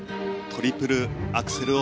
トリプルアクセル。